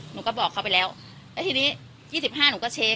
หนูก็บอกเขาไปแล้วเอ๊ะทีนี้ยี่สิบห้าหนูก็เช็ค